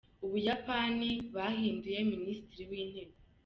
U Buyapani Bahinduye Minisitiri w’Intebe